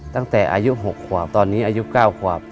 ตั้งแต่อายุ๖ขวบตอนนี้อายุ๙ขวบ